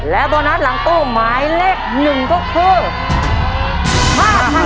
และโบนัสหลังตู้หมายเลข๑ก็คือ